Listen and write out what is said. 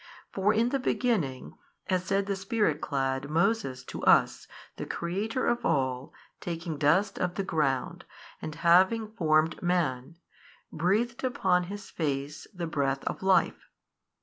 For in the beginning, as said the Spirit clad, Moses, to us, the Creator of all, taking dust of the ground and having formed man, breathed upon his face the breath of life.